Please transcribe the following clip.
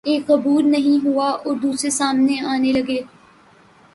ایک عبور نہیں ہوا اور دوسرے سامنے آنے لگے۔